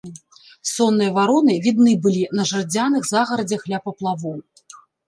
Сонныя вароны відны былі на жардзяных загарадзях ля паплавоў.